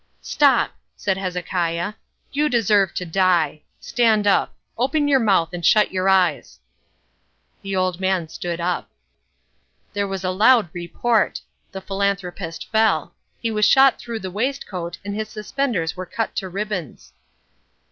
"Stop!" said Hezekiah, "you deserve to die. Stand up. Open your mouth and shut your eyes." The old man stood up. There was a loud report. The philanthropist fell. He was shot through the waistcoat and his suspenders were cut to ribbons.